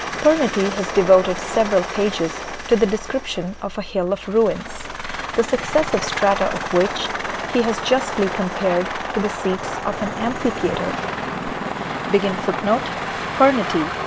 Pernety has devoted several pages to the description of a Hill of Ruins, the successive strata of which he has justly compared to the seats of an amphitheatre.